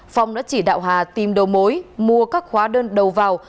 phong đã chỉ đạo hà tìm đầu mối mua các hóa đơn đầu vào